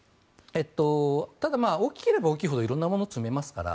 ただ、大きれば大きいほど色々なものを積めますから